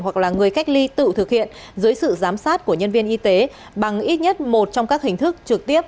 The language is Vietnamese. hoặc là người cách ly tự thực hiện dưới sự giám sát của nhân viên y tế bằng ít nhất một trong các hình thức trực tiếp